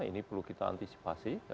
ini perlu kita antisipasi